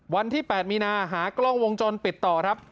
วันที่๘มีนาหากล้องวงจรปิดต่อครับ